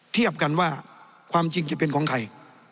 เทียบกันว่าความจริงจะเป็นของใคร